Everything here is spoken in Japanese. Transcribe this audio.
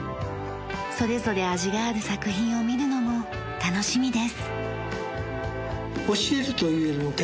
それぞれ味がある作品を見るのも楽しみです。